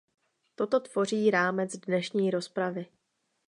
Toto tvoří rámec dnešní rozpravy.